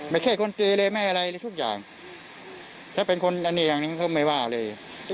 ไม่แค่คนเกลียดเลยแม่อะไรเลยทุกอย่างถ้าเป็นคนอันนี้อันนี้เขาไม่ว่าเลย